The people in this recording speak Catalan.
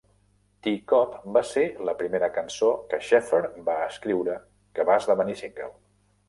"Ty Cobb" va ser la primera cançó que Shepherd va escriure que va esdevenir single.